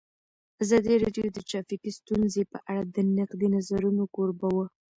ازادي راډیو د ټرافیکي ستونزې په اړه د نقدي نظرونو کوربه وه.